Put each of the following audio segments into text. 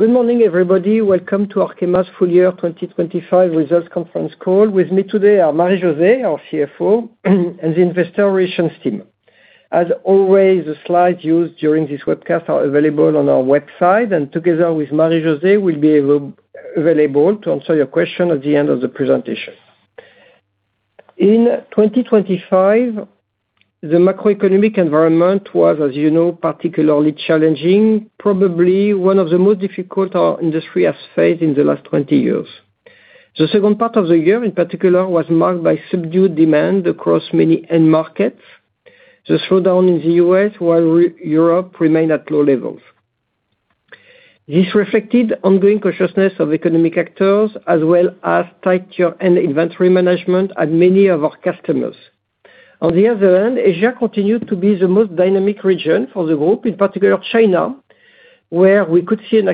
Good morning, everybody. Welcome to Arkema's full year 2025 results conference call. With me today are Marie-José, our CFO, and the investor relations team. As always, the slides used during this webcast are available on our website, and together with Marie-José, we'll be available to answer your question at the end of the presentation. In 2025, the macroeconomic environment was, as you know, particularly challenging, probably one of the most difficult our industry has faced in the last 20 years. The second part of the year, in particular, was marked by subdued demand across many end markets. The slowdown in the U.S., while Europe remained at low levels. This reflected ongoing cautiousness of economic actors, as well as tighter end inventory management at many of our customers. On the other hand, Asia continued to be the most dynamic region for the group, in particular China, where we could see an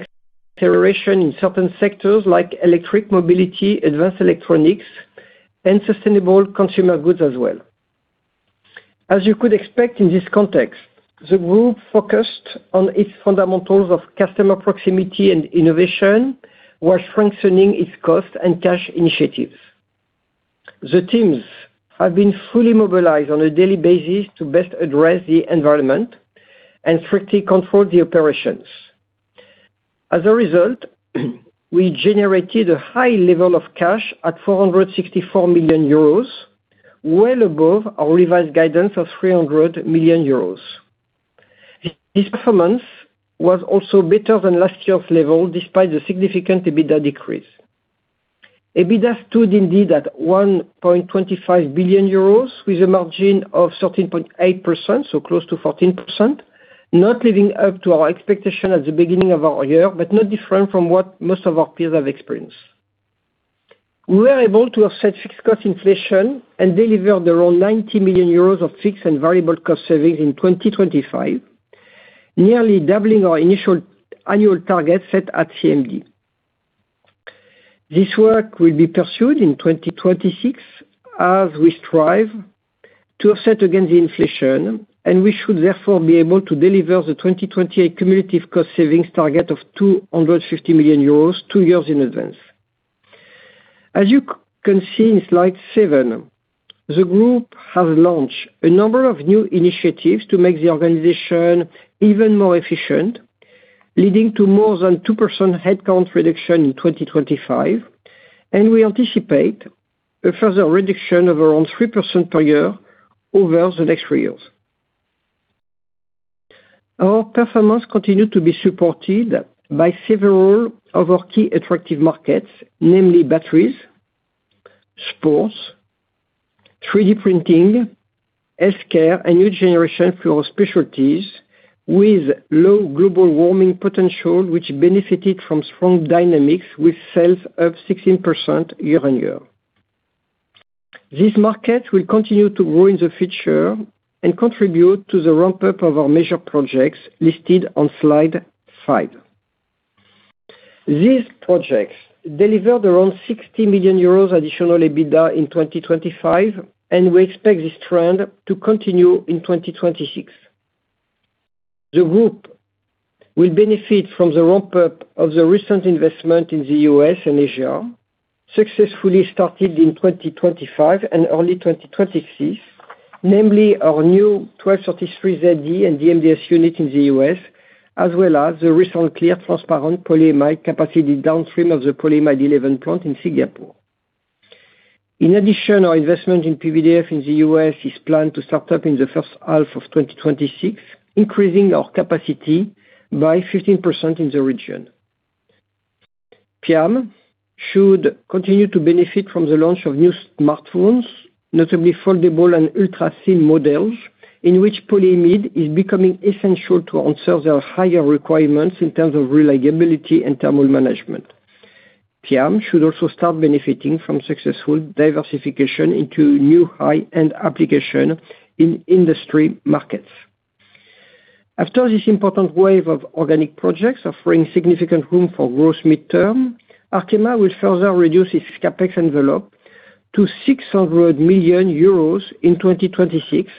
acceleration in certain sectors like electric mobility, advanced electronics, and sustainable consumer goods as well. As you could expect in this context, the group focused on its fundamentals of customer proximity and innovation, while strengthening its cost and cash initiatives. The teams have been fully mobilized on a daily basis to best address the environment and strictly control the operations. As a result, we generated a high level of cash at 464 million euros, well above our revised guidance of 300 million euros. This performance was also better than last year's level, despite the significant EBITDA decrease. EBITDA stood indeed at 1.25 billion euros, with a margin of 13.8%, so close to 14%, not living up to our expectations at the beginning of our year, but not different from what most of our peers have experienced. We were able to offset fixed cost inflation and delivered around 90 million euros of fixed and variable cost savings in 2025, nearly doubling our initial annual target set at CMD. This work will be pursued in 2026, as we strive to offset against the inflation, and we should therefore be able to deliver the 2028 cumulative cost savings target of 250 million euros, two years in advance. As you can see in slide seven, the group has launched a number of new initiatives to make the organization even more efficient, leading to more than 2% headcount reduction in 2025. We anticipate a further reduction of around 3% per year over the next three years. Our performance continued to be supported by several of our key attractive markets, namely batteries, sports, 3D printing, healthcare, and new-generation fluorospecialties with low global warming potential, which benefited from strong dynamics with sales up 16% year-on-year. This market will continue to grow in the future and contribute to the ramp-up of our major projects listed on slide five. These projects delivered around 60 million euros additional EBITDA in 2025. We expect this trend to continue in 2026. The group will benefit from the ramp-up of the recent investment in the U.S. and Asia, successfully started in 2025 and early 2026, namely our new 1233zd and DMDS unit in the U.S., as well as the recent clear, transparent polyimide capacity downstream of the Polyamide 11 plant in Singapore. In addition, our investment in PVDF in the U.S. is planned to start up in the first half of 2026, increasing our capacity by 15% in the region. PIAM should continue to benefit from the launch of new smartphones, notably foldable and ultra-thin models, in which polyimide is becoming essential to answer the higher requirements in terms of reliability and thermal management. PIAM should also start benefiting from successful diversification into new high-end application in industry markets. After this important wave of organic projects offering significant room for growth midterm, Arkema will further reduce its CapEx envelope to 600 million euros in 2026.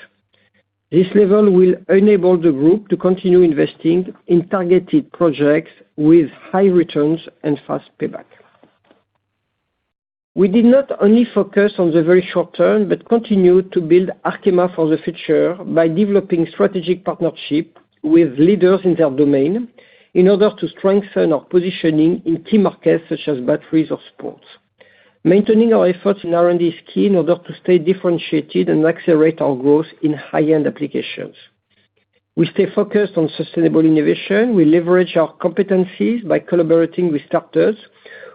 This level will enable the group to continue investing in targeted projects with high returns and fast payback. We did not only focus on the very short term, but continued to build Arkema for the future by developing strategic partnership with leaders in their domain in order to strengthen our positioning in key markets, such as batteries or sports. Maintaining our efforts in R&D is key in order to stay differentiated and accelerate our growth in high-end applications. We stay focused on sustainable innovation. We leverage our competencies by collaborating with startups.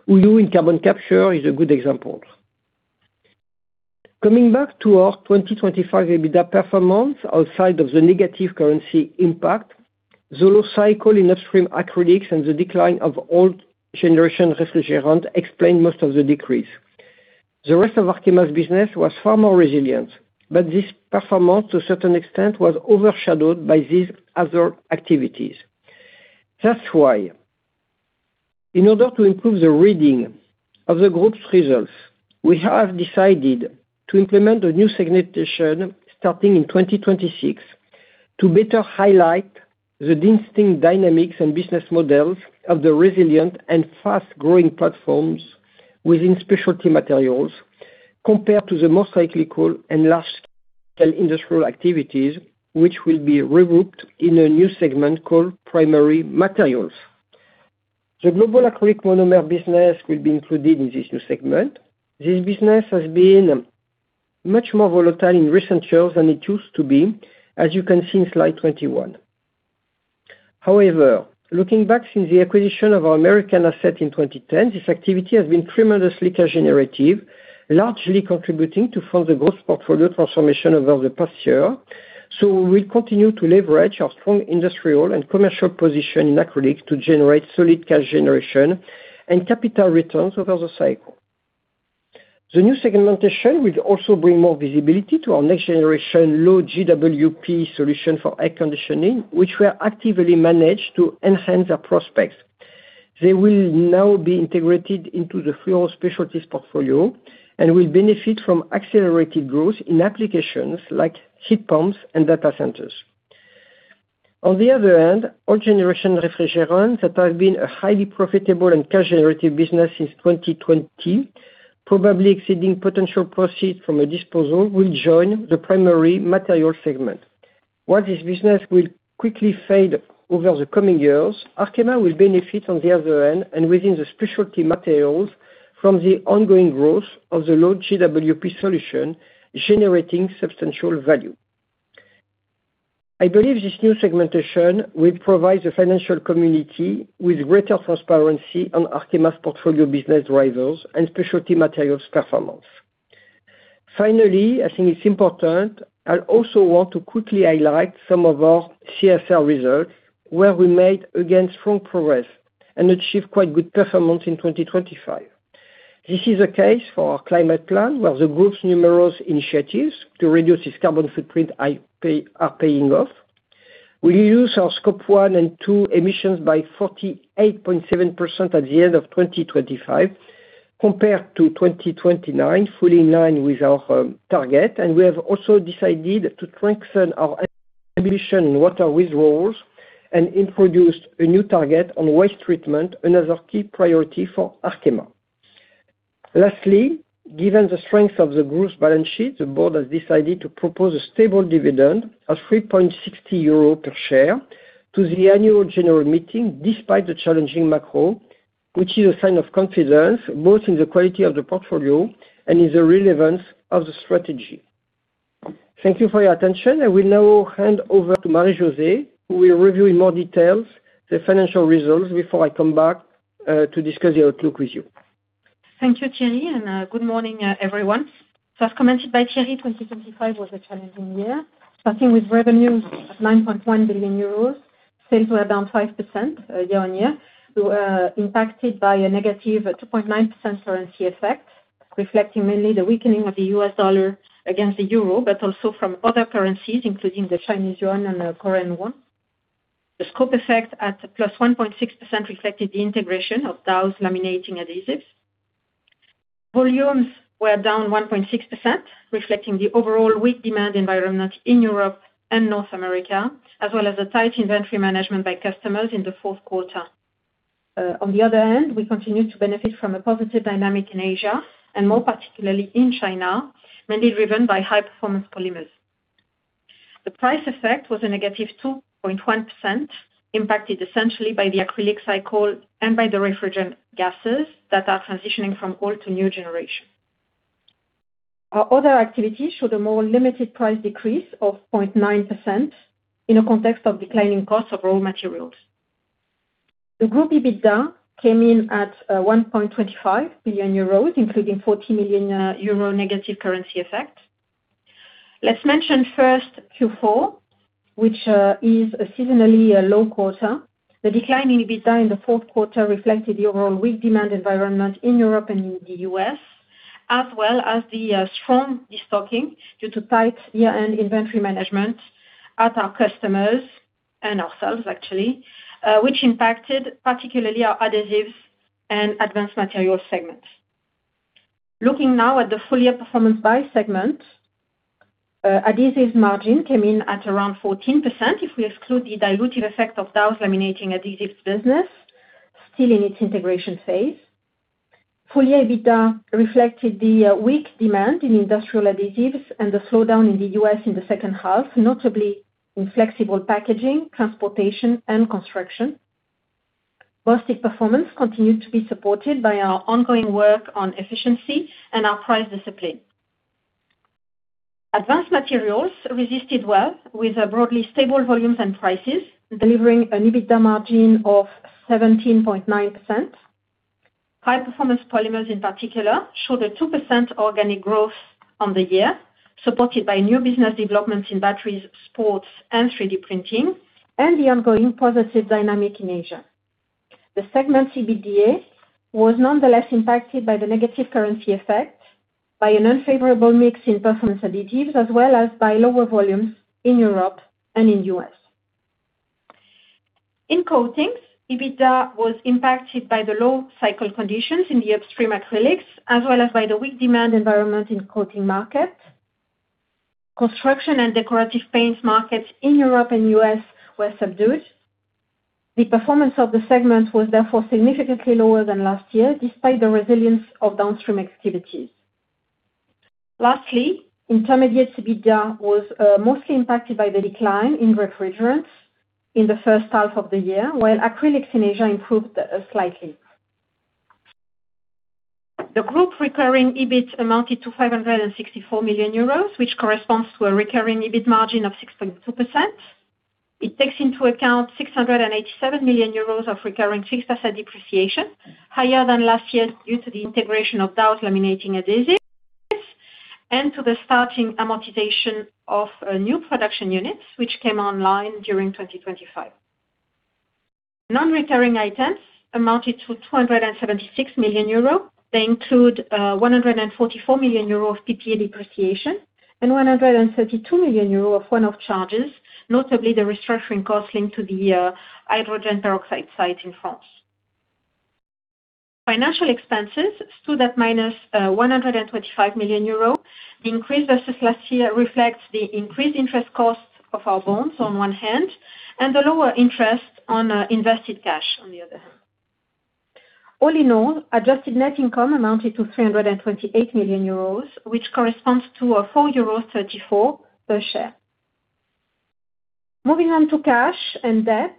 OOYOO in carbon capture is a good example. Coming back to our 2025 EBITDA performance, outside of the negative currency impact, the low cycle in upstream acrylics and the decline of old generation refrigerant explained most of the decrease. The rest of Arkema's business was far more resilient, but this performance, to a certain extent, was overshadowed by these other activities. In order to improve the reading of the group's results, we have decided to implement a new segmentation starting in 2026 to better highlight the distinct dynamics and business models of the resilient and fast growing platforms within Specialty Materials, compared to the more cyclical and large scale industrial activities, which will be regrouped in a new segment called Primary Materials. The global acrylic monomer business will be included in this new segment. This business has been much more volatile in recent years than it used to be, as you can see in slide 21. Looking back since the acquisition of our American asset in 2010, this activity has been tremendously cash generative, largely contributing to fund the growth portfolio transformation over the past year. We will continue to leverage our strong industrial and commercial position in acrylics to generate solid cash generation and capital returns over the cycle. The new segmentation will also bring more visibility to our next generation low GWP solution for air conditioning, which we are actively managed to enhance their prospects. They will now be integrated into the fluorospecialties portfolio and will benefit from accelerated growth in applications like heat pumps and data centers. Old generation refrigerants that have been a highly profitable and cash generative business since 2020, probably exceeding potential proceeds from a disposal, will join the Primary Materials segment. This business will quickly fade over the coming years, Arkema will benefit on the other end and within the Specialty Materials from the ongoing growth of the low GWP solution, generating substantial value. I believe this new segmentation will provide the financial community with greater transparency on Arkema's portfolio, business drivers and Specialty Materials performance. I think it's important, I'll also want to quickly highlight some of our CSR results, where we made against strong progress and achieved quite good performance in 2025. This is a case for our climate plan, where the group's numerous initiatives to reduce its carbon footprint are paying off. We use our Scopes 1 and 2 emissions by 48.7% at the end of 2025, compared to 2029, fully in line with our target. We have also decided to strengthen our emission water withdrawals and introduce a new target on waste treatment, another key priority for Arkema. Lastly, given the strength of the group's balance sheet, the board has decided to propose a stable dividend of 3.60 euro per share to the annual general meeting, despite the challenging macro, which is a sign of confidence both in the quality of the portfolio and in the relevance of the strategy. Thank you for your attention. I will now hand over to Marie-José, who will review in more details the financial results before I come back to discuss the outlook with you. Thank you, Thierry, and good morning, everyone. As commented by Thierry, 2025 was a challenging year, starting with revenues of 9.1 billion euros. Sales were down 5% year-on-year, impacted by a negative 2.9% currency effect, reflecting mainly the weakening of the U.S. dollar against the euro, but also from other currencies, including the Chinese yuan and the Korean won. The scope effect at +1.6%, reflected the integration of Dow's laminating adhesives. Volumes were down 1.6%, reflecting the overall weak demand environment in Europe and North America, as well as the tight inventory management by customers in the fourth quarter. On the other hand, we continue to benefit from a positive dynamic in Asia and more particularly in China, mainly driven by High Performance Polymers. The price effect was a -2.1%, impacted essentially by the acrylic cycle and by the refrigerant gases that are transitioning from old to new generation. Our other activities showed a more limited price decrease of 0.9% in a context of declining costs of raw materials. The group EBITDA came in at 1.25 billion euros, including 40 million euro negative currency effect. Let's mention first Q4, which is seasonally a low quarter. The decline in EBITDA in the fourth quarter reflected the overall weak demand environment in Europe and in the U.S., as well as the strong destocking due to tight year-end inventory management at our customers and ourselves, actually, which impacted particularly our Adhesives and Advanced Materials segments. Looking now at the full year performance by segment, Adhesives margin came in at around 14%, if we exclude the dilutive effect of Dow's laminating adhesives business, still in its integration phase. Full year, EBITDA reflected the weak demand in industrial adhesives and the slowdown in the U.S. in the second half, notably in flexible packaging, transportation and construction. The performance continued to be supported by our ongoing work on efficiency and our price discipline. Advanced Materials resisted well with a broadly stable volumes and prices, delivering an EBITDA margin of 17.9%. High Performance Polymers in particular, showed a 2% organic growth on the year, supported by new business developments in batteries, sports and 3D printing, and the ongoing positive dynamic in Asia. The segment, EBITDA, was nonetheless impacted by the negative currency effect by an unfavorable mix in Performance Additives, as well as by lower volumes in Europe and in U.S. In Coatings, EBITDA was impacted by the low cycle conditions in the upstream acrylics, as well as by the weak demand environment in coating market. Construction and decorative paints markets in Europe and U.S. were subdued. The performance of the segment was therefore significantly lower than last year, despite the resilience of downstream activities. Lastly, Intermediates EBITDA was mostly impacted by the decline in refrigerants in the first half of the year, while acrylics in Asia improved slightly. The group recurring EBIT amounted to 564 million euros, which corresponds to a recurring EBIT margin of 6.2%. It takes into account 687 million euros of recurring fixed asset depreciation, higher than last year due to the integration of Dow's laminating adhesives, and to the starting amortization of new production units, which came online during 2025. Non-recurring items amounted to 276 million euros. They include 144 million euros of PPA depreciation and 132 million euros of one-off charges, notably the restructuring costs linked to the hydrogen peroxide site in France. Financial expenses stood at -125 million euro. The increase versus last year reflects the increased interest costs of our bonds on one hand, and the lower interest on invested cash, on the other hand. All in all, adjusted net income amounted to 328 million euros, which corresponds to 4.34 euros per share. Moving on to cash and debt,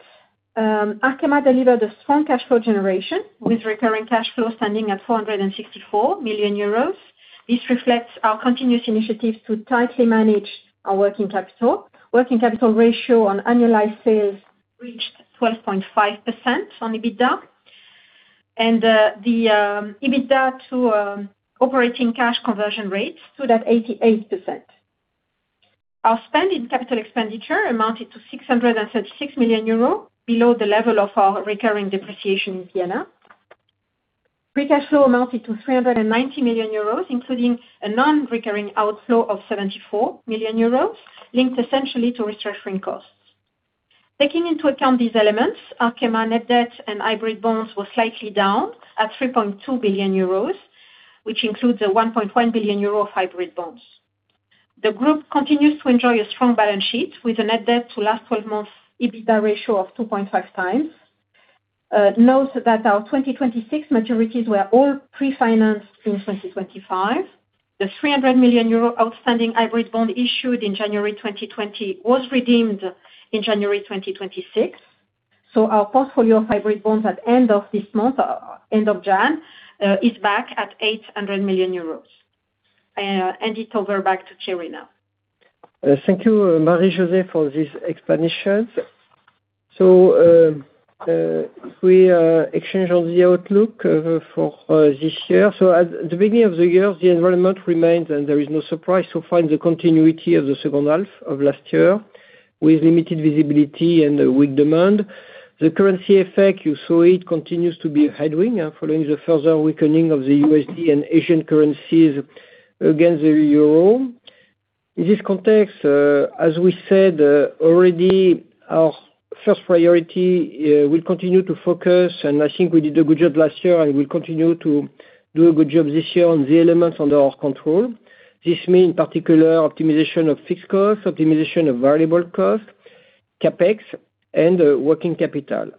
Arkema delivered a strong cash flow generation, with recurring cash flow standing at 464 million euros. This reflects our continuous initiatives to tightly manage our working capital. Working capital ratio on annualized sales reached 12.5% on EBITDA, the EBITDA to operating cash conversion rate stood at 88%. Our spending capital expenditure amounted to 636 million euros, below the level of our recurring depreciation in PNR. Free cash flow amounted to 390 million euros, including a non-recurring outflow of 74 million euros, linked essentially to restructuring costs. Taking into account these elements, Arkema net debt and hybrid bonds were slightly down at 3.2 billion euros, which includes a 1.1 billion euro of hybrid bonds. The group continues to enjoy a strong balance sheet, with a net debt to last twelve months EBITDA ratio of 2.5 times. Note that our 2026 maturities were all pre-financed in 2025. The 300 million euro outstanding hybrid bond issued in January 2020, was redeemed in January 2026. Our portfolio of hybrid bonds at end of this month, end of January, is back at 800 million euros. It over back to Thierry now. Thank you, Marie-José, for this explanations. We exchange on the outlook for this year. At the beginning of the year, the environment remained, and there is no surprise to find the continuity of the second half of last year, with limited visibility and a weak demand. The currency effect, you saw it, continues to be headwind following the further weakening of the USD and Asian currencies against the euro. In this context, as we said already, our first priority will continue to focus, and I think we did a good job last year, and we'll continue to do a good job this year on the elements under our control. This means particular optimization of fixed costs, optimization of variable costs, CapEx, and working capital.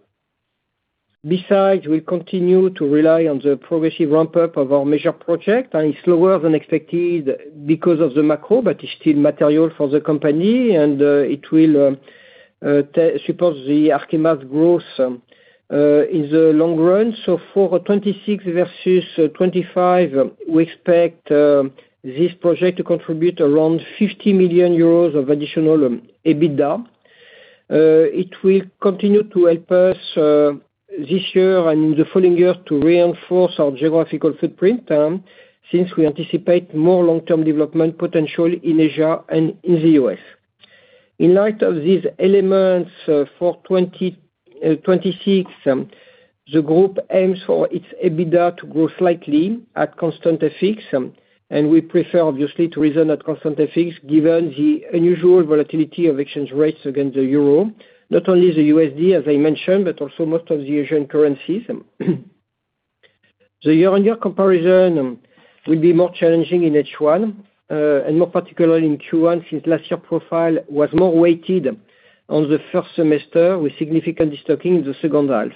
Besides, we continue to rely on the progressive ramp-up of our major project, and it's slower than expected because of the macro, but it's still material for the company, and it will support the Arkema's growth in the long run. For 2026 versus 2025, we expect this project to contribute around 50 million euros of additional EBITDA. It will continue to help us this year and in the following years, to reinforce our geographical footprint, since we anticipate more long-term development potential in Asia and in the U.S. In light of these elements, for 2026, the group aims for its EBITDA to grow slightly at constant FX. We prefer, obviously, to reason at constant FX, given the unusual volatility of exchange rates against the EUR, not only the USD, as I mentioned, but also most of the Asian currencies. The year-on-year comparison will be more challenging in H1 and more particularly in Q1, since last year profile was more weighted on the first semester, with significant restocking in the second half.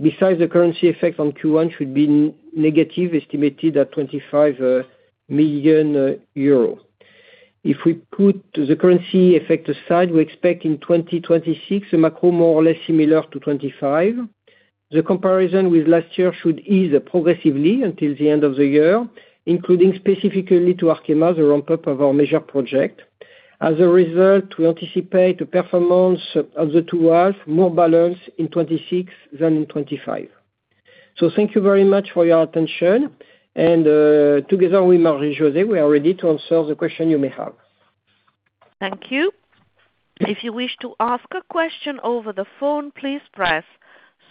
Besides, the currency effect on Q1 should be negative, estimated at 25 million euro. If we put the currency effect aside, we expect in 2026, the macro more or less similar to 2025. The comparison with last year should ease progressively until the end of the year, including specifically to Arkema, the ramp-up of our major project. As a result, we anticipate a performance of the two halves more balanced in 2026 than in 2025. Thank you very much for your attention, together with Marie-José, we are ready to answer the question you may have. Thank you. If you wish to ask a question over the phone, please press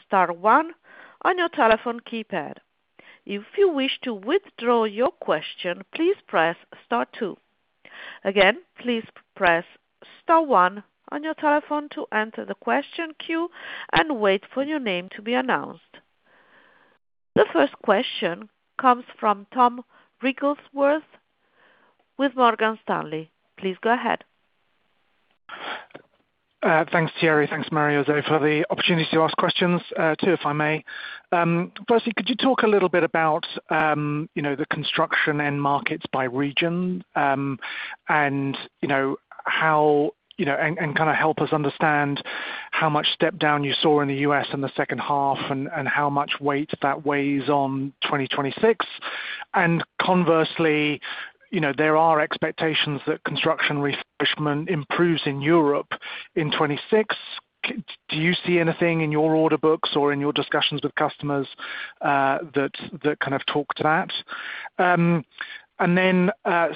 star one on your telephone keypad. If you wish to withdraw your question, please press star two. Again, please press star one on your telephone to enter the question queue, and wait for your name to be announced. The first question comes from Thomas Wrigglesworth with Morgan Stanley. Please go ahead. Thanks, Thierry, thanks, Marie-José, for the opportunity to ask questions. Two, if I may. Firstly, could you talk a little bit about the construction end markets by region? You know, how, and kind of help us understand how much step down you saw in the U.S. in the second half, and how much weight that weighs on 2026. Conversely, there are expectations that construction refreshment improves in Europe in 2026. Do you see anything in your order books or in your discussions with customers, that kind of talk to that?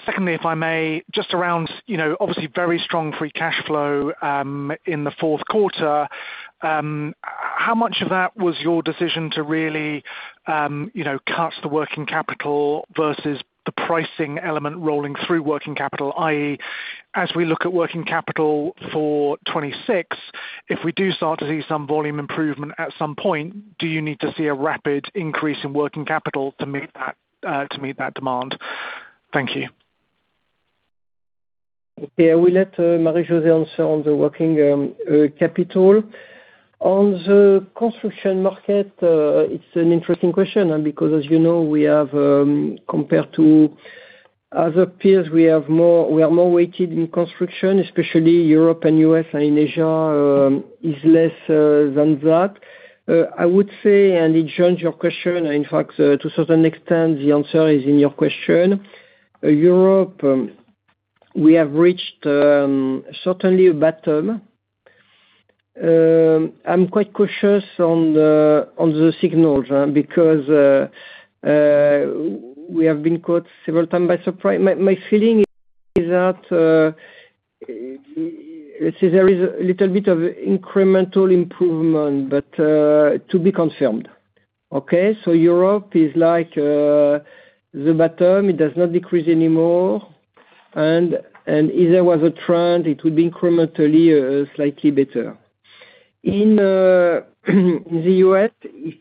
Secondly, if I may, just around, obviously, very strong free cash flow, in Q4. How much of that was your decision to really cut the working capital versus the pricing element rolling through working capital, i.e, as we look at working capital for 2026, if we do start to see some volume improvement at some point, do you need to see a rapid increase in working capital to meet that demand? Thank you. Okay, I will let Marie-José answer on the working capital. On the construction market, it's an interesting question. Because as we have, compared to other peers, we are more weighted in construction, especially Europe and U.S., and in Asia is less than that. I would say, it joins your question, in fact, to certain extent, the answer is in your question. Europe, we have reached certainly a bottom. I'm quite cautious on the signals, because we have been caught several times by surprise. My feeling is that, let's say there is a little bit of incremental improvement, but to be confirmed. Okay? Europe is like the bottom, it does not decrease anymore, and if there was a trend, it would be incrementally slightly better. In the U.S.,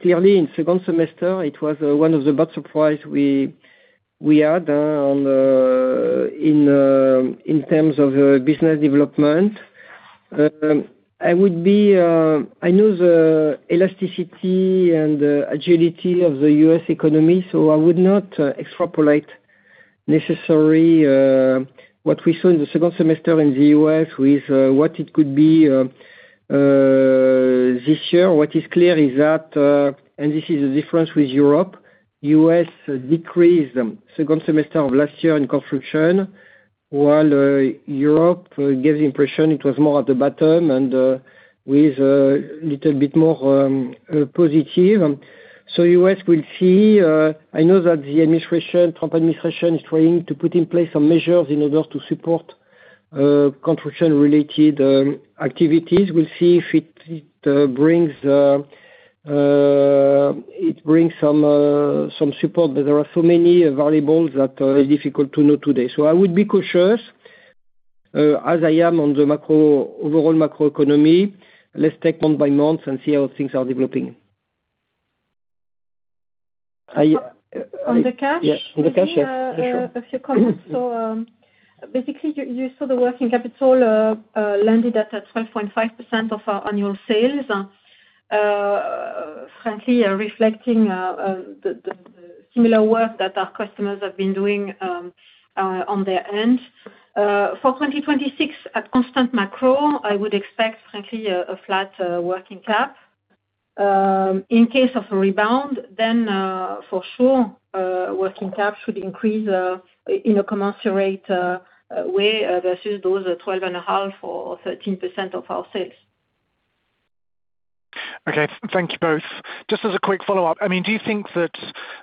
clearly in second semester, it was one of the bad surprise we had on in terms of business development. I know the elasticity and the agility of the U.S. economy, so I would not extrapolate necessary what we saw in the second semester in the U.S. with what it could be this year. What is clear is that, and this is the difference with Europe, U.S. decreased second semester of last year in construction, while Europe gives the impression it was more at the bottom and with little bit more positive. U.S. will see, I know that the administration, Trump administration, is trying to put in place some measures in order to support construction-related activities. We'll see if it brings some support, but there are so many variables that are difficult to know today. I would be cautious as I am on the macro, overall macroeconomy. Let's take month by month and see how things are developing. I. On the cash- Yeah, on the cash, yeah. A few comments. Basically, you saw the working capital landed at 12.5% of our annual sales, frankly reflecting the similar work that our customers have been doing on their end. For 2026, at constant macro, I would expect frankly a flat working cap. In case of a rebound, for sure, working cap should increase in a commensurate way versus those 12.5% or 13% of our sales. Okay. Thank you both. Just as a quick follow-up, I mean, do you think that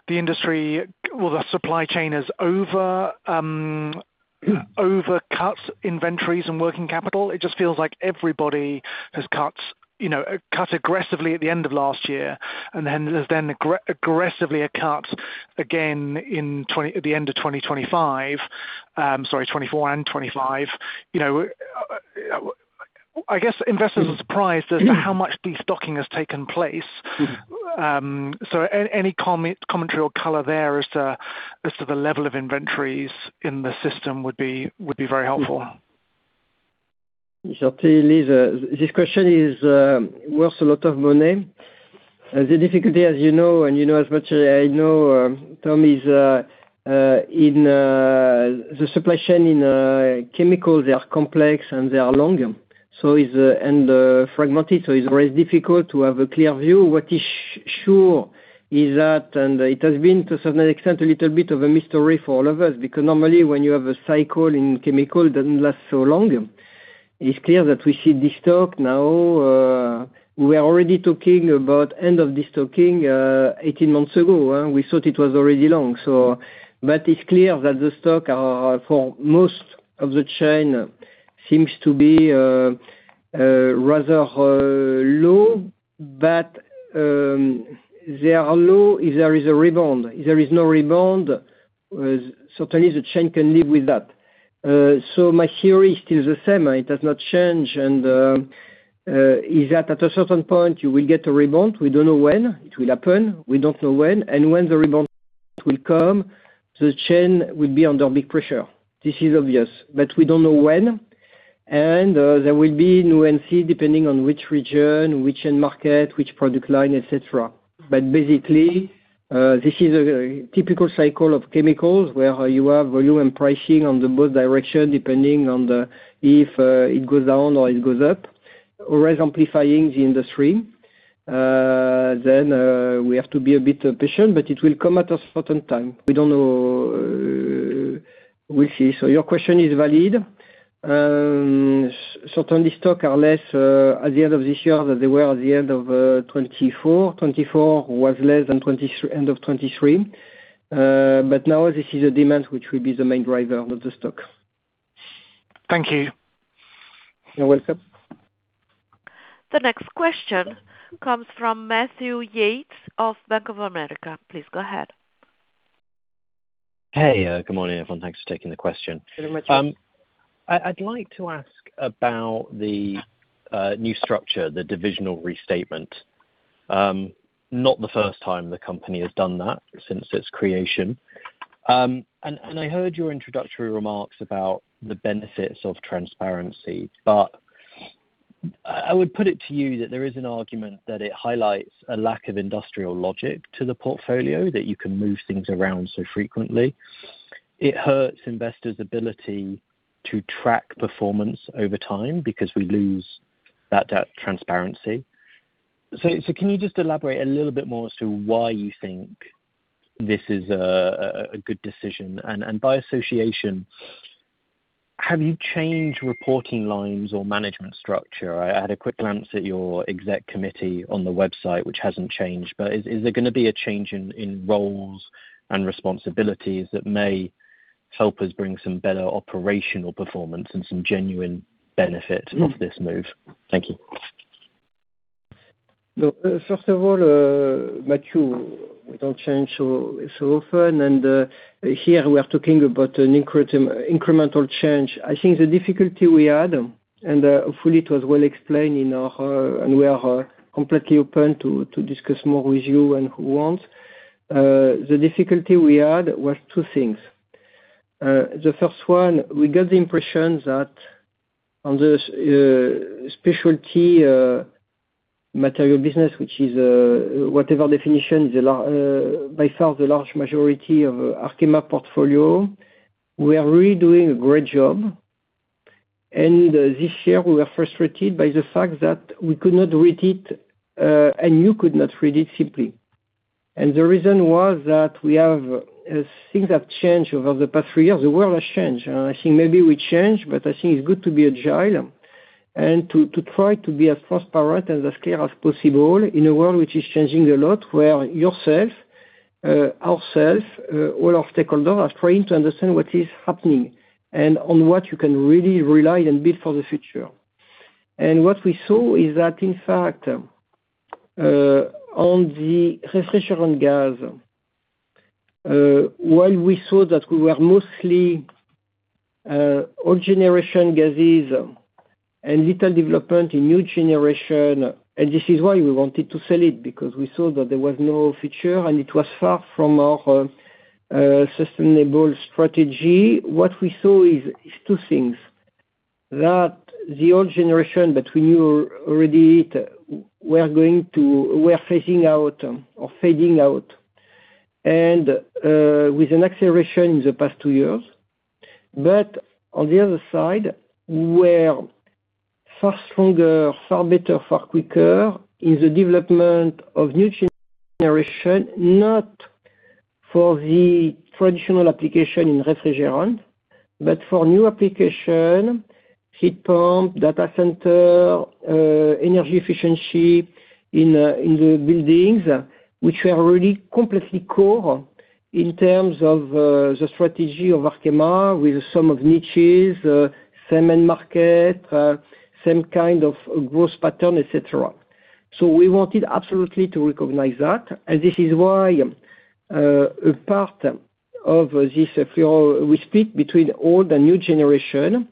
the industry, or the supply chain, is over-cut inventories and working capital? It just feels like everybody has cut aggressively at the end of last year, and then, has then aggressively cut again in the end of 2025, sorry, 2024 and 2025. You know, I guess investors are surprised as to how much de-stocking has taken place. Any commentary or color there as to the level of inventories in the system would be very helpful. Certainly, this question is worth a lot of money. The difficulty, as you know, and as much as I know, Tom, is in the supply chain in chemicals, they are complex, and they are long, so is and fragmented, it's very difficult to have a clear view. What is sure is that, and it has been, to certain extent, a little bit of a mystery for all of us, because normally when you have a cycle in chemical, it doesn't last so long. It's clear that we see destock now, we are already talking about end of destocking, 18 months ago. We thought it was already long. It's clear that the stock for most of the chain seems to be rather low, but they are low if there is a rebound. If there is no rebound, certainly the chain can live with that. My theory is still the same, it does not change. Is that at a certain point, you will get a rebound. We don't know when it will happen, we don't know when, and when the rebound will come, the chain will be under big pressure. This is obvious, but we don't know when, and there will be nuance depending on which region, which end market, which product line, etcetera. Basically, this is a typical cycle of chemicals, where you have volume and pricing on the both direction, depending on the, if it goes down or it goes up, always amplifying the industry. Then, we have to be a bit patient, but it will come at a certain time. We don't know, we'll see. Your question is valid. Certainly stock are less, at the end of this year, than they were at the end of 2024. 2024 was less than end of 2023. Now this is a demand which will be the main driver of the stock. Thank you. You're welcome. The next question comes from Matthew Yates of Bank of America. Please go ahead. Hey, good morning, everyone. Thanks for taking the question. Very much. I'd like to ask about the new structure, the divisional restatement. Not the first time the company has done that since its creation. And I heard your introductory remarks about the benefits of transparency, but I would put it to you that there is an argument that it highlights a lack of industrial logic to the portfolio, that you can move things around so frequently. It hurts investors' ability to track performance over time, because we lose that transparency. Can you just elaborate a little bit more as to why you think this is a good decision? By association, have you changed reporting lines or management structure? I had a quick glance at your exec committee on the website, which hasn't changed, but is there gonna be a change in roles and responsibilities that may help us bring some better operational performance and some genuine benefit of this move? Thank you. Look, first of all, Matthew, we don't change so often. Here we are talking about an incremental change. I think the difficulty we had, and hopefully it was well explained in our, and we are completely open to discuss more with you and who want. The difficulty we had was two things. The first one, we got the impression that on the Specialty Materials business, which is, whatever definition, by far the large majority of Arkema portfolio, we are really doing a great job. This year, we are frustrated by the fact that we could not read it, and you could not read it simply. The reason was that we have, things have changed over the past three years. The world has changed, and I think maybe we changed, but I think it's good to be agile and to try to be as transparent and as clear as possible in a world which is changing a lot, where yourself, ourself, all of stakeholder, are trying to understand what is happening, and on what you can really rely and build for the future. What we saw is that, in fact, on the refrigerant gas, while we saw that we were mostly old generation gases and little development in new generation, and this is why we wanted to sell it, because we saw that there was no future, and it was far from our sustainable strategy. What we saw is two things: that the old generation, that we knew already, we are phasing out, or fading out, and with an acceleration in the past two years. On the other side, we're far stronger, far better, far quicker, in the development of new generation, not for the traditional application in refrigerant, but for new application, heat pump, data center, energy efficiency in the buildings, which are really completely core in terms of the strategy of Arkema, with some of niches, same end market, same kind of growth pattern, et cetera. We wanted absolutely to recognize that, and this is why, a part of this field, we split between old and new generation,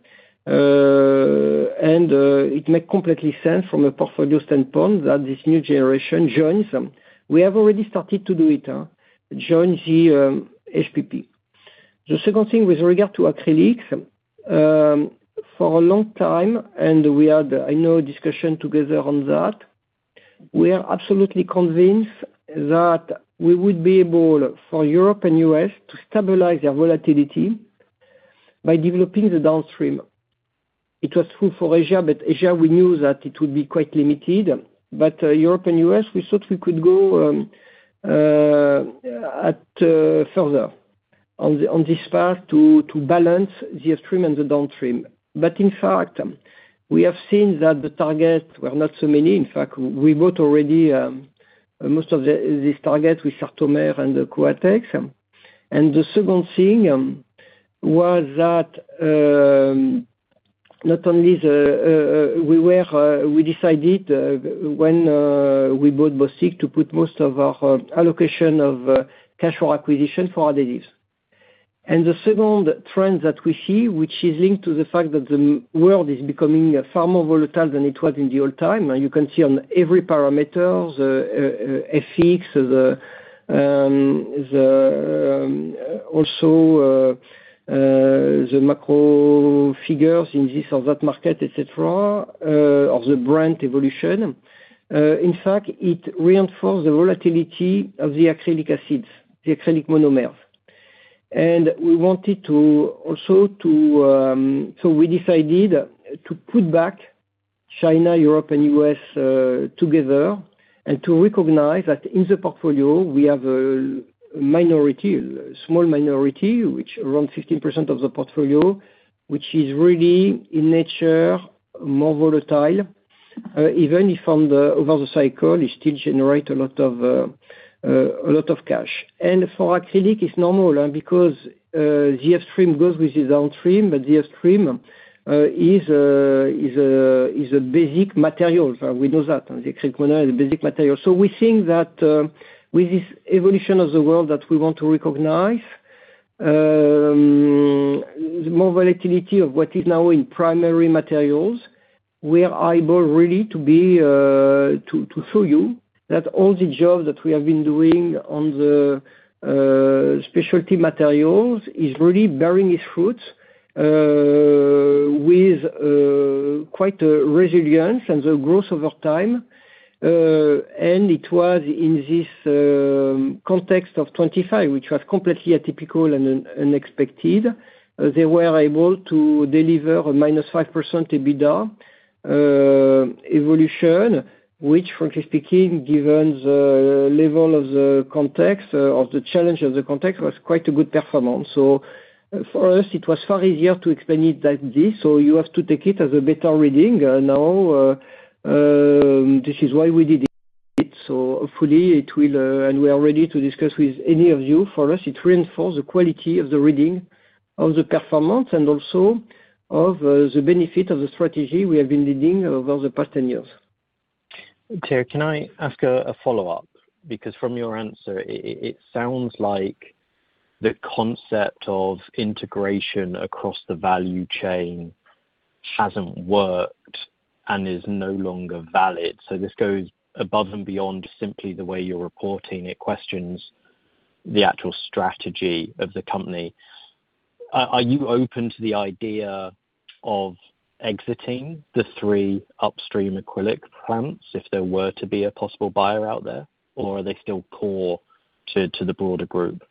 and it make completely sense from a portfolio standpoint, that this new generation joins them. We have already started to do it, join the HPP. The second thing with regard to acrylics, for a long time, and we had, I know, discussion together on that, we are absolutely convinced that we would be able, for Europe and U.S., to stabilize their volatility by developing the downstream. It was true for Asia we knew that it would be quite limited. Europe and U.S., we thought we could go at further on the, on this path to balance the upstream and the downstream. We have seen that the targets were not so many. We built already most of the, this target with Sartomer and the Coatex. The second thing was that not only we decided when we bought Bostik to put most of our allocation of cash flow acquisition for additives. The second trend that we see, which is linked to the fact that the world is becoming far more volatile than it was in the old time. Now, you can see on every parameters, FX, the macro figures in this or that market, et cetera, of the brand evolution. In fact, it reinforced the volatility of the acrylic acids, the acrylic monomers. We wanted to also to, so we decided to put back China, Europe, and U.S. together, and to recognize that in the portfolio, we have a minority, a small minority, which around 15% of the portfolio, which is really, in nature, more volatile. Even if from the, over the cycle, it still generate a lot of, a lot of cash. For acrylic, it's normal, because the upstream goes with the downstream, but the upstream is a basic material. We know that, the acrylic monomer is a basic material. We think that, with this evolution of the world that we want to recognize, more volatility of what is now in Primary Materials, we are able really to show you that all the job that we have been doing on the Specialty Materials is really bearing its fruits, with quite a resilience and the growth over time. It was in this context of 2025, which was completely atypical and unexpected, they were able to deliver a -5% EBITDA evolution, which frankly speaking, given the level of the context, of the challenge of the context, was quite a good performance. For us, it was far easier to explain it like this, so you have to take it as a better reading. This is why we did it. Hopefully it will, and we are ready to discuss with any of you. For us, it reinforce the quality of the reading of the performance and also of the benefit of the strategy we have been leading over the past 10 years. Thierry, can I ask a follow-up? From your answer, it sounds like the concept of integration across the value chain hasn't worked and is no longer valid. This goes above and beyond simply the way you're reporting. It questions the actual strategy of the company. Are you open to the idea of exiting the three upstream acrylic plants, if there were to be a possible buyer out there, or are they still core to the broader group?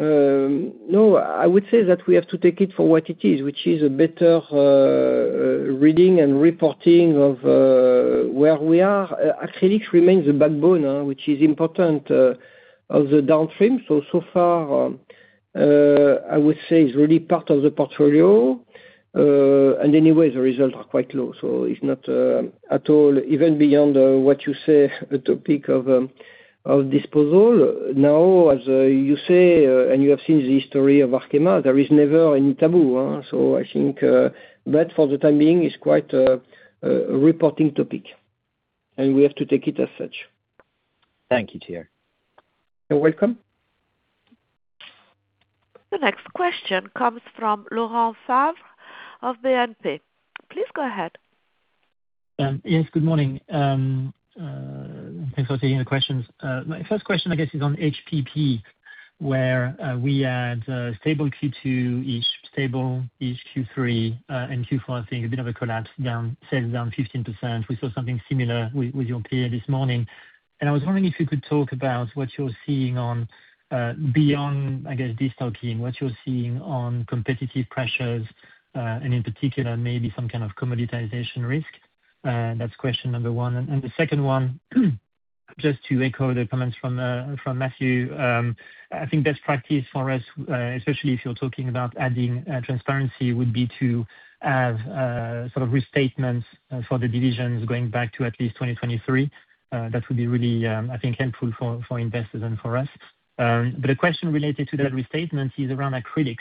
No, I would say that we have to take it for what it is, which is a better reading and reporting of where we are. Acrylics remains the backbone, which is important, of the downstream. So far, I would say it's really part of the portfolio. Anyway, the results are quite low, so it's not at all, even beyond what you say, the topic of disposal. As you say, and you have seen the history of Arkema, there is never any taboo, so I think that, for the time being, is quite a reporting topic, and we have to take it as such. Thank you, Thierry. You're welcome. The next question comes from Laurent Favre of BNP. Please go ahead. Yes, good morning. Thanks for taking the questions. My first question, I guess, is on HPP, where we had stable Q2, stable Q3, Q4, I think a bit of a collapse down, sales down 15%. We saw something similar with your peer this morning. I was wondering if you could talk about what you're seeing on, beyond, I guess, destocking, what you're seeing on competitive pressures, and in particular, maybe some kind of commoditization risk? That's question number one. The second one, just to echo the comments from Matthew, I think best practice for us, especially if you're talking about adding transparency, would be to have restatements for the divisions going back to at least 2023. That would be really, I think, helpful for investors and for us. A question related to that restatement is around acrylics,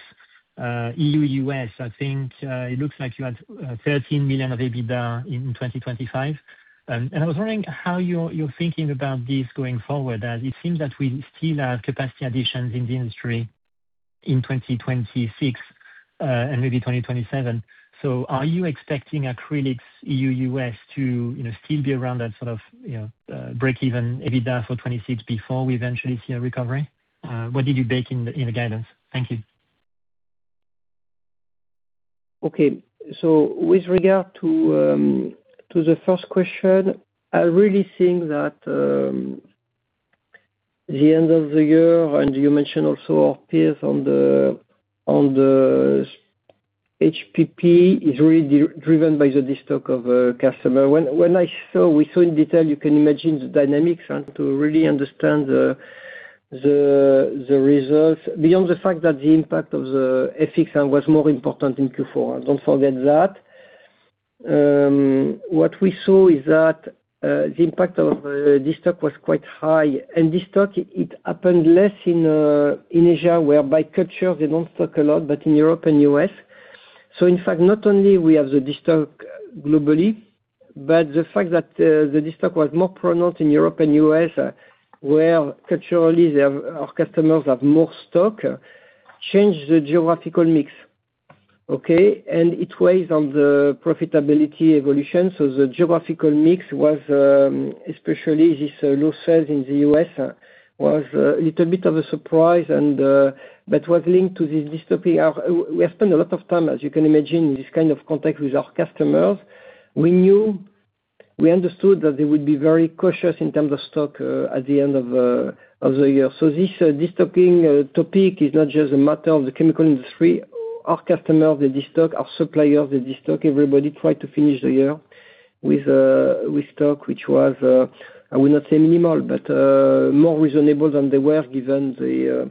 EU, U.S.. I think, it looks like you had 13 million of EBITDA in 2025. I was wondering how you're thinking about this going forward, as it seems that we still have capacity additions in the industry in 2026, and maybe 2027. Are you expecting acrylics, EU, U.S., to still be around that break-even EBITDA for 2026 before we eventually see a recovery? What did you bake in the guidance? Thank you. Okay. With regard to the first question, I really think that the end of the year, and you mentioned also our peers on the HPP, is really driven by the destock of customer. When we saw in detail, you can imagine the dynamics and to really understand the results, beyond the fact that the impact of the FX was more important in Q4, don't forget that. What we saw is that the impact of destock was quite high. Destock, it happened less in Asia, where by culture, they don't stock a lot, but in Europe and U.S. In fact, not only we have the destock globally, but the fact that the destock was more pronounced in Europe and U.S., where culturally our customers have more stock, changed the geographical mix, okay? It weighs on the profitability evolution. The geographical mix was especially these low sales in the U.S., was a little bit of a surprise, and but was linked to this destocking. We have spent a lot of time, as you can imagine, in this kind of contact with our customers. We knew, we understood that they would be very cautious in terms of stock at the end of the year. This destocking topic is not just a matter of the chemical industry. Our customers, they destock, our suppliers, they destock, everybody tried to finish the year with stock, which was, I would not say minimal, but more reasonable than they were, given the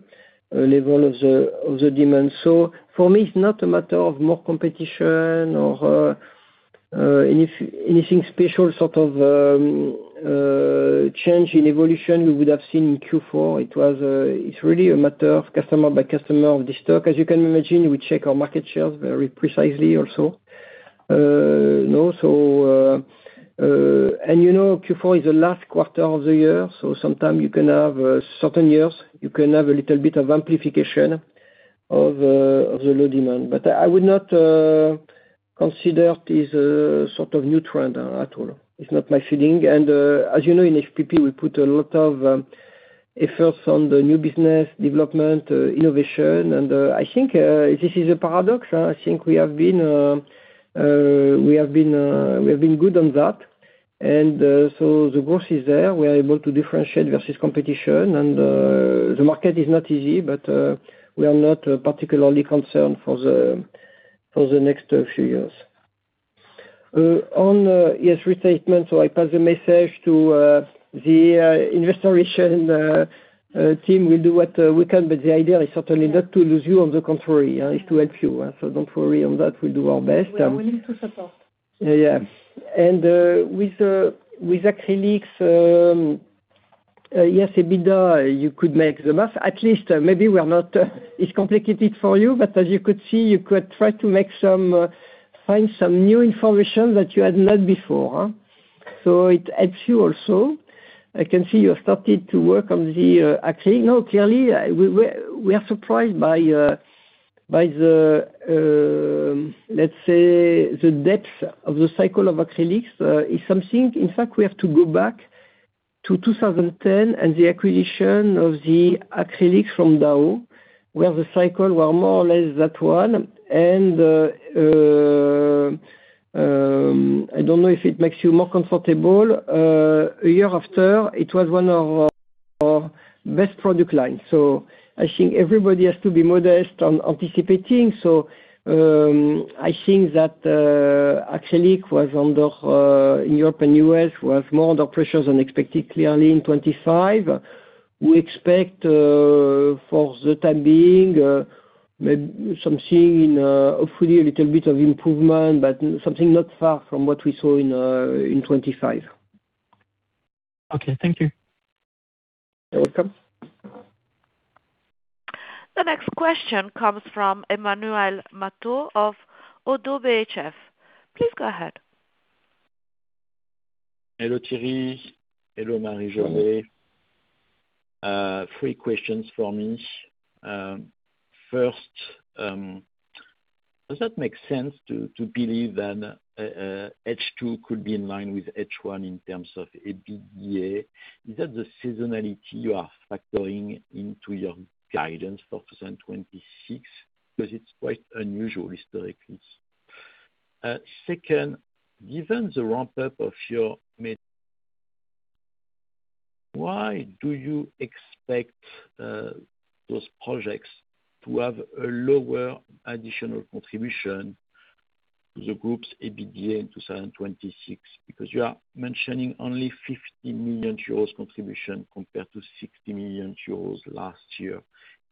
level of the demand. For me, it's not a matter of more competition or anything special, sort of change in evolution we would have seen in Q4. It was, it's really a matter of customer by customer of destock. As you can imagine, we check our market shares very precisely also. No, so, and Q4 is the last quarter of the year, so sometimes you can have certain years, you can have a little bit of amplification of the low demand. I would not consider this a new trend at all. It's not my feeling. As you know, in FPP, we put a lot of efforts on the new business development, innovation, I think this is a paradox. I think we have been good on that. The growth is there. We are able to differentiate versus competition, the market is not easy, we are not particularly concerned for the next few years. On, yes, restatement, I pass the message to the investor relation team. We do what we can, the idea is certainly not to lose you, on the contrary, is to help you. Don't worry on that, we'll do our best. We are willing to support. Yeah. With with acrylics, yes, EBITDA, you could make the math. At least, maybe we are not. It's complicated for you, but as you could see, you could try to make some, find some new information that you had not before, huh? It helps you also. I can see you have started to work on the acrylic. Clearly, we are surprised by the let's say, the depth of the cycle of acrylics. In fact, we have to go back to 2010 and the acquisition of the acrylics from Dow, where the cycle were more or less that one. I don't know if it makes you more comfortable, a year after, it was one of our best product lines. I think everybody has to be modest on anticipating. I think that acrylic was under in Europe and U.S., was more under pressures than expected, clearly in 2025. We expect for the time being, maybe something in hopefully a little bit of improvement, but something not far from what we saw in 2025. Okay, thank you. You're welcome. The next question comes from Emmanuel Matot of Oddo BHF. Please go ahead. Hello, Thierry. Hello, Marie-José. Three questions for me. First, does that make sense to believe that H2 could be in line with H1 in terms of EBITDA? Is that the seasonality you are factoring into your guidance for 2026? It's quite unusual historically. Second, given the ramp-up of your mid... Why do you expect those projects to have a lower additional contribution to the group's EBITDA in 2026? You are mentioning only 50 million euros contribution compared to 60 million euros last year.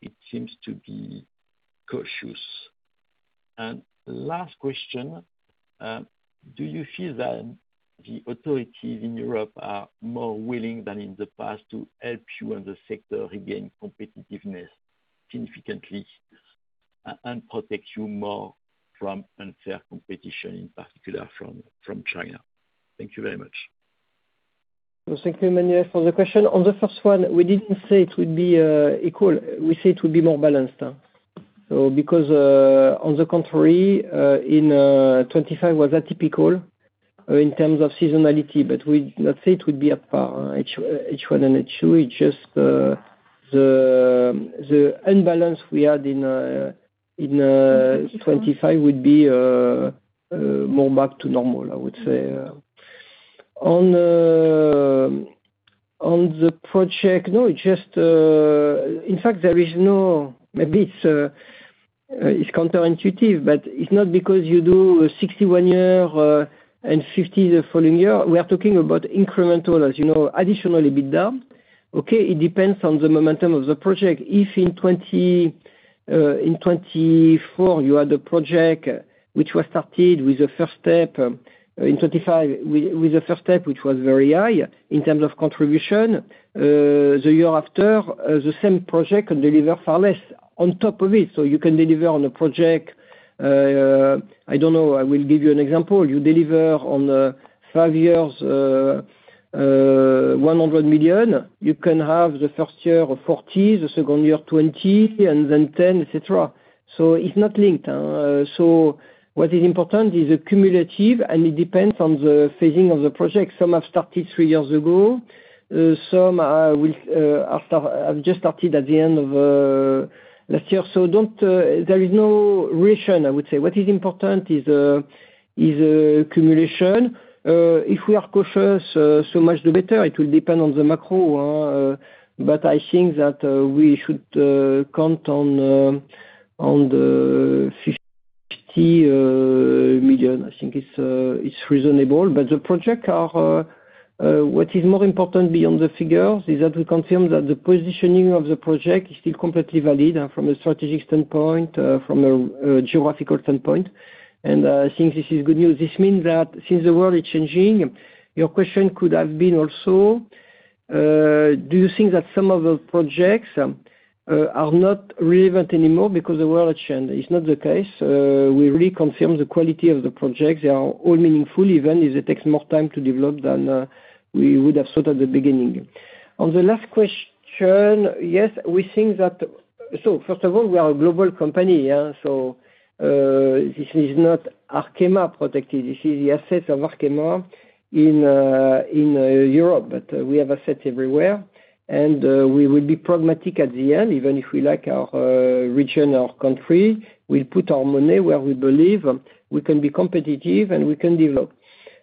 It seems to be cautious. Last question, do you feel that the authorities in Europe are more willing than in the past to help you and the sector regain competitiveness significantly and protect you more from unfair competition, in particular from China? Thank you very much. Well, thank you, Emmanuel, for the question. On the first one, we didn't say it would be equal. We said it would be more balanced. Because on the contrary, in 2025 was atypical in terms of seasonality, but we not say it would be at par, H1 and H2. It's just the imbalance we had in 2025 would be more back to normal, I would say. On the project, no, it just. In fact, there is no maybe it's counterintuitive, but it's not because you do 60, one year and 50 the following year. We are talking about incremental, as you know, additional EBITDA, okay? It depends on the momentum of the project. In 2024, you had a project which was started with the first step, in 2025, with the first step, which was very high in terms of contribution. The year after, the same project can deliver far less on top of it. You can deliver on a project, I don't know, I will give you an example. You deliver on five years, 100 million. You can have the first year of 40, the second year 20, and then 10, et cetera. It's not linked, what is important is the cumulative, and it depends on the phasing of the project. Some have started three years ago, some will after, have just started at the end of last year. Don't, there is no ratio, I would say. What is important is accumulation. If we are cautious, so much the better, it will depend on the macro, but I think that we should count on the 50 million, I think it's reasonable. The project are what is more important beyond the figures, is that we confirm that the positioning of the project is still completely valid, from a strategic standpoint, from a geographical standpoint. I think this is good news. This means that since the world is changing, your question could have been also, do you think that some of the projects are not relevant anymore because the world changed? It's not the case. We reconfirm the quality of the projects. They are all meaningful, even if it takes more time to develop than we would have thought at the beginning. On the last question, yes, first of all, we are a global company. This is not Arkema protected. This is the assets of Arkema in Europe, but we have assets everywhere. We will be pragmatic at the end, even if we like our region, our country, we put our money where we believe we can be competitive and we can develop.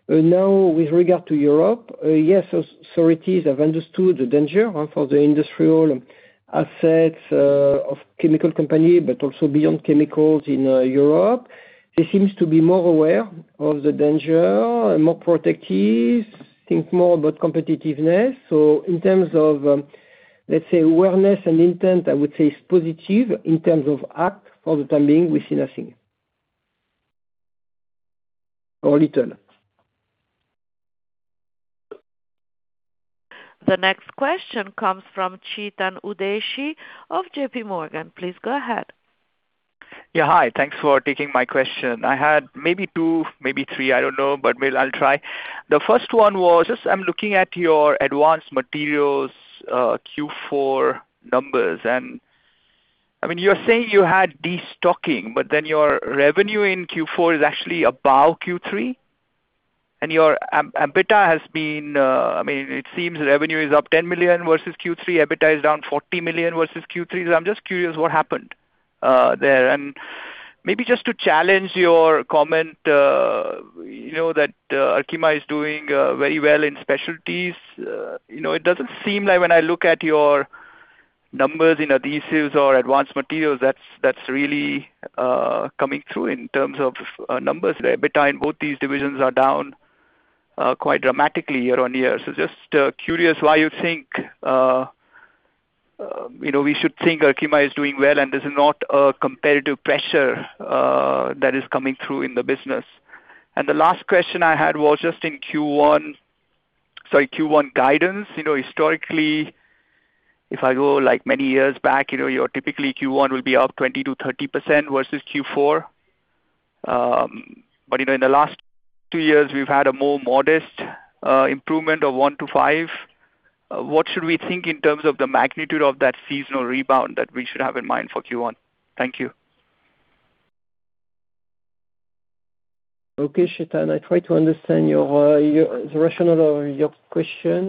With regard to Europe, yes, authorities have understood the danger for the industrial assets of chemical company, but also beyond chemicals in Europe. There seems to be more aware of the danger, more protective, think more about competitiveness. In terms of, let's say, awareness and intent, I would say it's positive. In terms of act, for the time being, we see nothing. Little. The next question comes from Chetan Udeshi of JPMorgan. Please go ahead. Yeah, hi. Thanks for taking my question. I had maybe two, maybe three, I don't know, but well, I'll try. The first one was just I'm looking at your Advanced Materials Q4 numbers, and, I mean, you're saying you had destocking, but then your revenue in Q4 is actually above Q3, and your EBITDA has been, I mean, it seems revenue is up 10 million versus Q3, EBITDA is down 40 million versus Q3. I'm just curious what happened there? Maybe just to challenge your comment, that Arkema is doing very well in specialties. You know, it doesn't seem like when I look at your numbers in Adhesives or Advanced Materials, that's really coming through in terms of numbers. The EBITDA in both these divisions are down quite dramatically year-on-year. Just curious why you think we should think Arkema is doing well, and there's not a competitive pressure that is coming through in the business. The last question I had was just in Q1, sorry, Q1 guidance. You know, historically, if I go, like, many years back your typically Q1 will be up 20%-30% versus Q4. You know, in the last two years, we've had a more modest improvement of 1-5. What should we think in terms of the magnitude of that seasonal rebound that we should have in mind for Q1? Thank you. Okay, Chetan, I try to understand your the rationale of your question.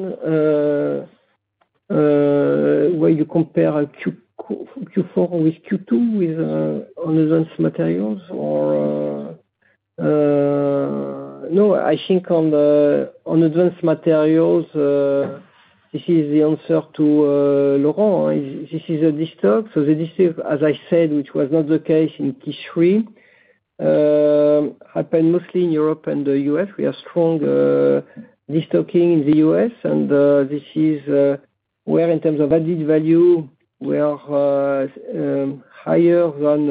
Where you compare a Q4 with Q2 with on Advanced Materials or. No, I think on Advanced Materials, this is the answer to Lauren. This is a destock. The destock, as I said, which was not the case in Q3, happened mostly in Europe and the U.S. We are strong destocking in the U.S., this is where in terms of added value, we are higher than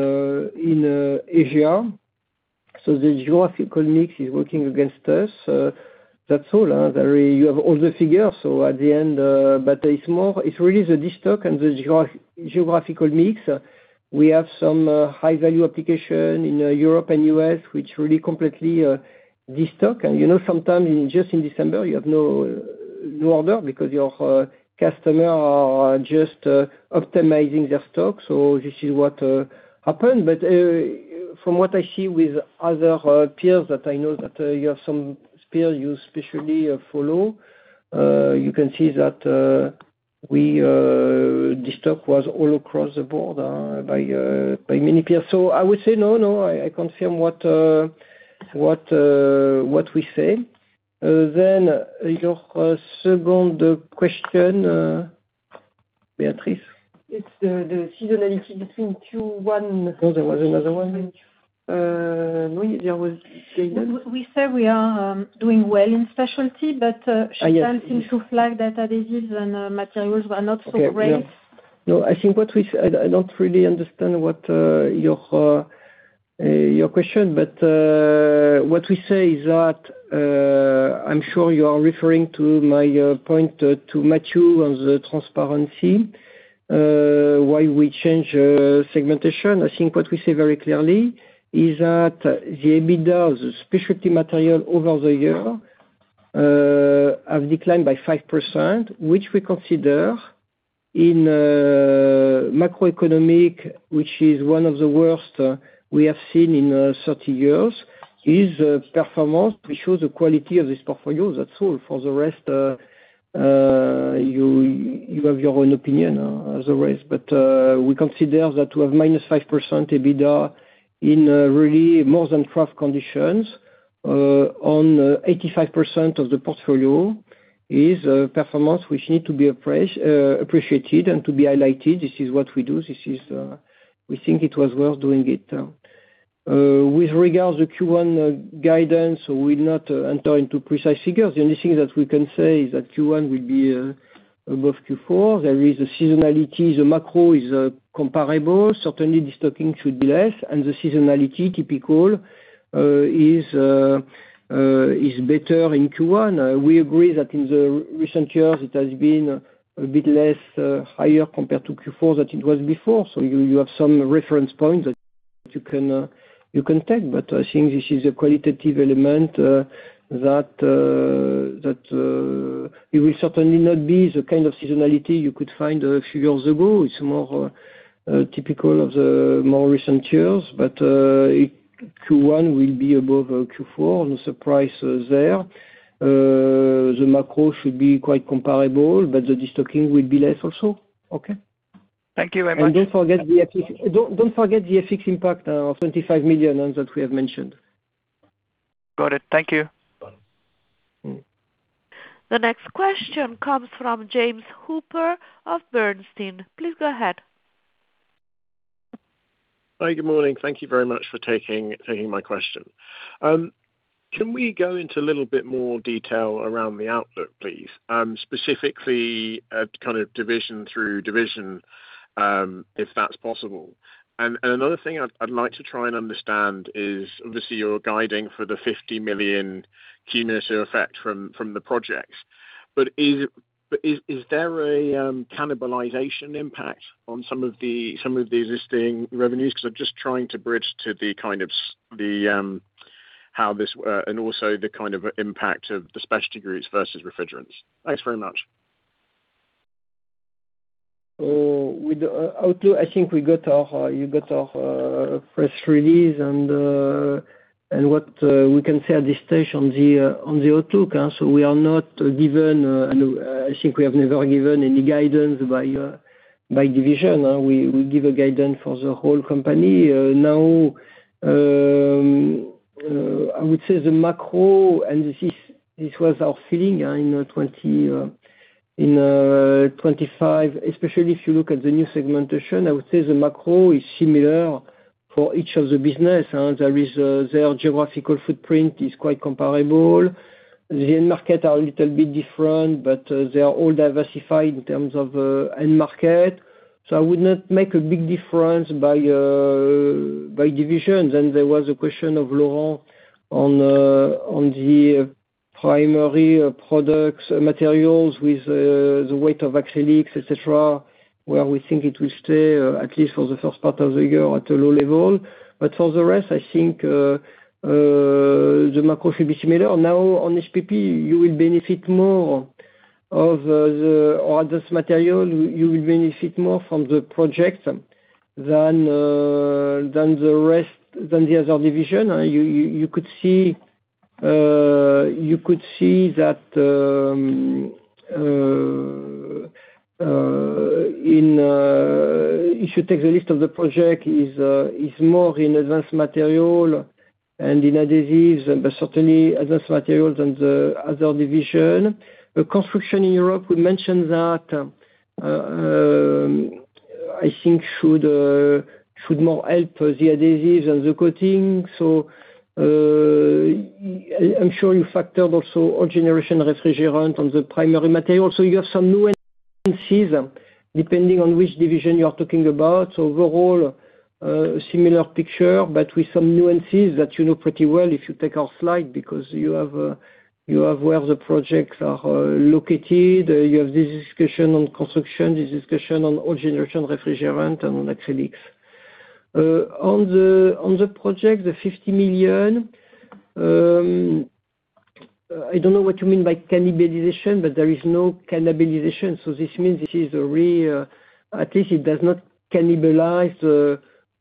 in Asia. The geographical mix is working against us. That's all, very, you have all the figures, at the end, it's more, it's really the destock and the geographical mix. We have some high-value application in Europe and U.S., which really completely destock. You know, sometime in, just in December, you have no order because your customer are just optimizing their stock, so this is what happened. From what I see with other peers that I know, that you have some peer you specially follow, you can see that we destock was all across the board by many peers. I would say, no, I confirm what we say. Your second question, Beatriz? It's the seasonality between Q1- Oh, there was another one? No, there was guidance? We said we are doing well in specialty. Oh, yes. She doesn't seem to flag that adhesives and materials are not so great. Okay, yeah. No, I think what we said. I don't really understand what your question. What we say is that I'm sure you are referring to my point to Matthew on the transparency, why we change segmentation. I think what we say very clearly is that the EBITDA of the Specialty Materials over the year have declined by 5%, which we consider in macroeconomic, which is one of the worst we have seen in 30 years, is a performance which shows the quality of this portfolio. That's all. For the rest, you have your own opinion as always. We consider that to have -5% EBITDA in really more than tough conditions on 85% of the portfolio is performance which need to be appreciated and to be highlighted. This is what we do. This is... We think it was worth doing it. With regards to Q1 guidance, we'll not enter into precise figures. The only thing that we can say is that Q1 will be above Q4. There is a seasonality. The macro is comparable. Certainly, the stocking should be less, and the seasonality, typical, is better in Q1. We agree that in the recent years, it has been a bit less higher compared to Q4 than it was before. You have some reference points that you can take. I think this is a qualitative element that it will certainly not be the kind of seasonality you could find a few years ago. It's more typical of the more recent years. Q1 will be above Q4, no surprise there. The macro should be quite comparable, but the de-stocking will be less also. Okay? Thank you very much. Don't forget the FX. Don't forget the FX impact of 25 million that we have mentioned. Got it. Thank you. The next question comes from James Hooper of Bernstein. Please go ahead. Hi, good morning. Thank you very much for taking my question. Can we go into a little bit more detail around the outlook, please? Specifically, kind of division through division, if that's possible. Another thing I'd like to try and understand is, obviously, you're guiding for the 50 million cumulative effect from the projects. But is there a cannibalization impact on some of the existing revenues? 'Cause I'm just trying to bridge to the kind of how this and also the kind of impact of the specialty groups versus refrigerants. Thanks very much. With the outlook, I think we got our, you got our press release, and what we can say at this stage on the outlook. We are not given, and I think we have never given any guidance by division. We give a guidance for the whole company. Now, I would say the macro, and this was our feeling in 2025, especially if you look at the new segmentation, I would say the macro is similar for each of the business. There is their geographical footprint is quite comparable. The end market are a little bit different, but they are all diversified in terms of end market. I would not make a big difference by divisions. There was a question of Lauren on the primary products, materials with the weight of acrylics, et cetera, where we think it will stay at least for the first part of the year, at a low level. For the rest, I think the macro should be similar. On HPP, you will benefit more of all this material. You will benefit more from the projects than the rest, than the other division. You could see that in, if you take the list of the project is more in Advanced Materials and in Adhesives, but certainly, Advanced Materials than the other division. The construction in Europe, we mentioned that, I think should more help the Adhesives and the Coatings. I'm sure you factored also old generation refrigerant on the Primary Materials. You have some new in season, depending on which division you are talking about. Overall, similar picture, but with some nuances that you know pretty well if you take our slide, because you have where the projects are located, you have discussion on construction, this discussion on old generation refrigerant and on acrylics. On the project, the 50 million, I don't know what you mean by cannibalization, but there is no cannibalization, this means this is a re. At least it does not cannibalize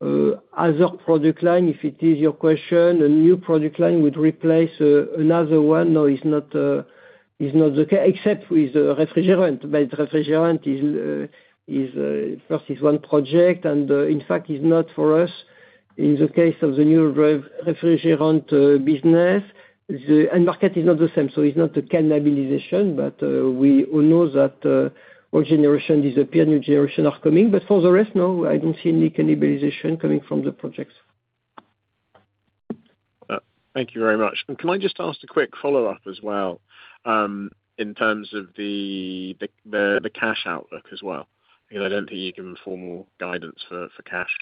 other product line, if it is your question. A new product line would replace another one. No, it's not, it's not the ca- except with the refrigerant. Refrigerant is, first is one project, in fact, is not for us. In the case of the new refrigerant, business, the end market is not the same, so it's not a cannibalization. We all know that, old generation disappear, new generation are coming. For the rest, no, I don't see any cannibalization coming from the projects. Thank you very much. Can I just ask a quick follow-up as well, in terms of the cash outlook as well? You know, I don't think you can formal guidance for cash.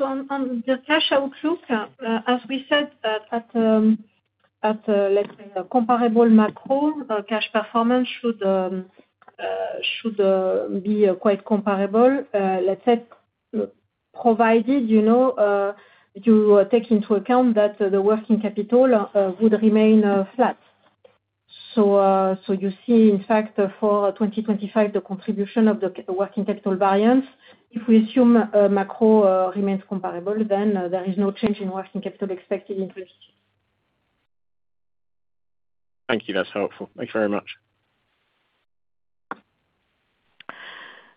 On the cash outlook, as we said, at, let's say comparable macro, cash performance should be quite comparable, let's say, provided, you take into account that the working capital would remain flat. You see, in fact, for 2025, the contribution of the working capital variance, if we assume, macro, remains comparable, then there is no change in working capital expected interest. Thank you. That's helpful. Thank you very much.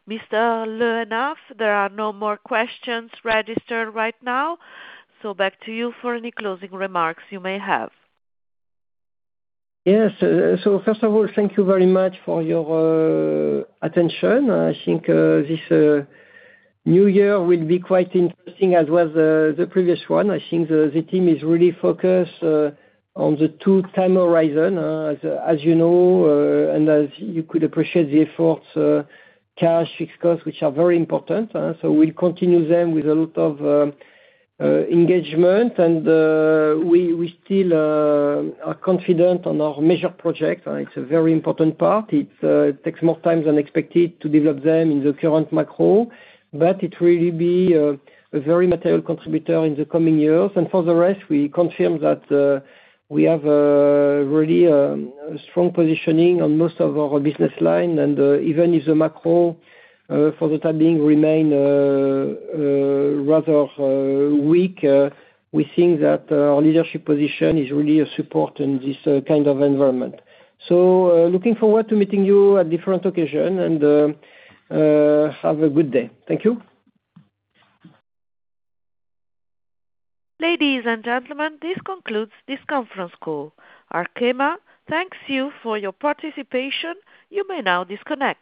Mr. Le Hénaff, there are no more questions registered right now. Back to you for any closing remarks you may have. Yes. First of all, thank you very much for your attention. I think this new year will be quite interesting as well as the previous one. I think the team is really focused on the two time horizon, as you know, and as you could appreciate the efforts, cash, fixed costs, which are very important. We'll continue them with a lot of engagement, and we still are confident on our major projects, and it's a very important part. It takes more time than expected to develop them in the current macro, but it will be a very material contributor in the coming years. For the rest, we confirm that we have a really strong positioning on most of our business line, even if the macro for the time being remain rather weak, we think that our leadership position is really a support in this kind of environment. Looking forward to meeting you at different occasion, have a good day. Thank you. Ladies and gentlemen, this concludes this conference call. Arkema, thanks you for your participation. You may now disconnect.